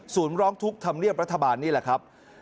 ศูนย์ร้องทุกข์ทำเรียบรัฐบาลนี่แหละครับ